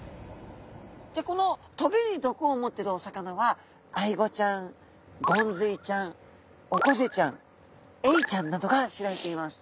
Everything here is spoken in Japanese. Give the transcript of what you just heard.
でこの棘に毒を持ってるお魚はアイゴちゃんゴンズイちゃんオコゼちゃんエイちゃんなどが知られています。